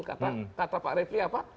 kata pak refli apa